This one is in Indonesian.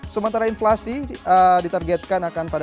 sementara inflasi ditargetkan akan pada